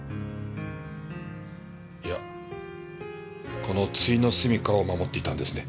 いやこの終のすみかを守っていたんですね？